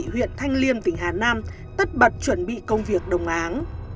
huyện thanh liêm tỉnh hà nam tất bật chuẩn bị công việc đồng áng